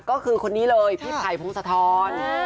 ก็คือคนนี้เลยพี่ไผ่พุงสะท้อน